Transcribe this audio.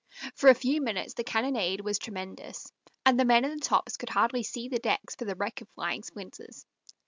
For a few minutes the cannonade was tremendous, and the men in the tops could hardly see the decks for the wreck of flying splinters.